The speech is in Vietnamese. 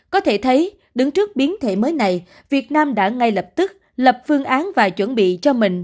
có thể thấy đứng trước biến thể mới này việt nam đã ngay lập tức lập phương án và chuẩn bị cho mình